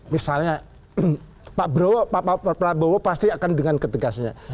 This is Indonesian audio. misalnya pak prabowo pasti akan dengan ketegasannya